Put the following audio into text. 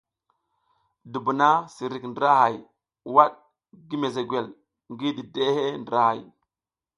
Dubuna sirik drahaya waɗ gi mezegwel ngi dideʼe ndrahay.